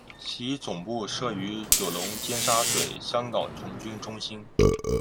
其总部设于九龙尖沙咀香港童军中心。